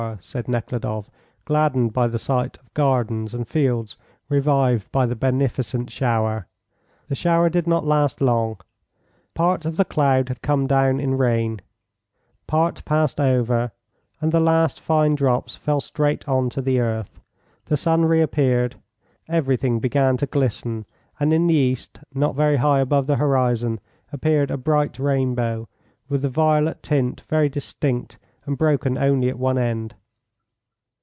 said Nekhludoff, gladdened by the sight of gardens and fields revived by the beneficent shower. The shower did not last long. Part of the cloud had come down in rain, part passed over, and the last fine drops fell straight on to the earth. The sun reappeared, everything began to glisten, and in the east not very high above the horizon appeared a bright rainbow, with the violet tint very distinct and broken only at one end.